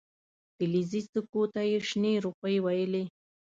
فلزي سکو ته یې شنې روپۍ ویلې.